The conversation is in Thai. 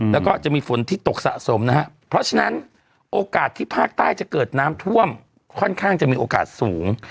แล้วก็จะมีฝนที่ตกสะสมนะฮะเพราะฉะนั้นโอกาสที่ภาคใต้จะเกิดน้ำท่วมค่อนข้างจะมีโอกาสสูง